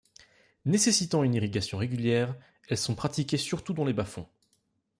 Nécessitant une irrigation régulière, elles sont pratiquées surtout dans les bas-fonds.